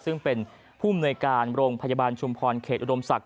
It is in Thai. ซึ่งเป็นผู้มนวยการโรงพยาบาลชุมพรเขตอุดมศักดิ